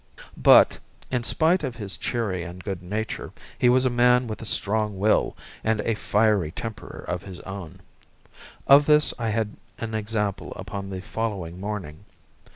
But, in spite of his cheery good nature, he was a man with a strong will and a fiery temper of his own. Of this I had an example upon the following morning.